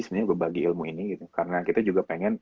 sebenarnya berbagi ilmu ini karena kita juga pengen